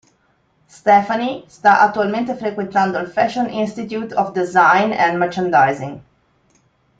Stephanie sta attualmente frequentando il Fashion Institute of Design and Merchandising.